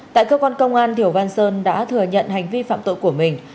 tại cơ quan công an điều văn sơn đã thừa nhận hành vi phạm tội của mình